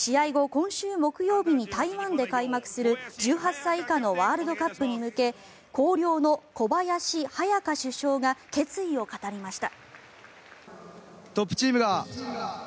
今週木曜日に台湾で開幕する１８歳以下のワールドカップに向け広陵の小林隼翔主将が決意を語りました。